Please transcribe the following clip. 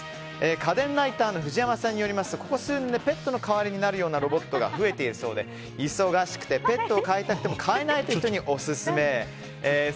家電ライターの藤山さんによるとここ数年でペットの代わりになるようなロボットが増えているそうで忙しくてペットを飼いたくても飼えない方にオススメだそうです。